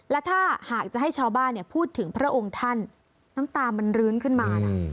และถ้าหากจะให้ชาวบ้านพูดถึงพระองค์ท่านน้ำตามันรื้นขึ้นมานะ